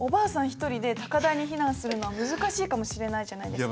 一人で高台に避難するのは難しいかもしれないじゃないですか。